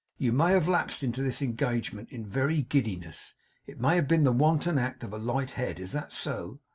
You may have lapsed into this engagement in very giddiness. It may have been the wanton act of a light head. Is that so?